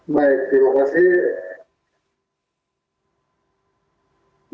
baik terima kasih